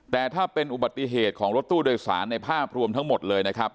แต่ถ้าเป็นอุบัติเหตุของรถตู้โดยสารในภาพรวมทั้งหมดเลยนะครับ